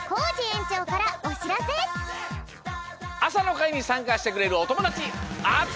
あさのかいにさんかしてくれるおともだちあつまれ！